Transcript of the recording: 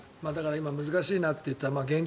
今難しいなと言ったのは現状